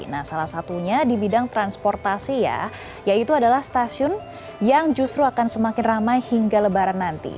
nah salah satunya di bidang transportasi ya yaitu adalah stasiun yang justru akan semakin ramai hingga lebaran nanti